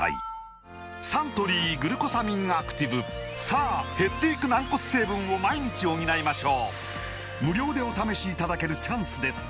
サントリー「グルコサミンアクティブ」さあ減っていく軟骨成分を毎日補いましょう無料でお試しいただけるチャンスです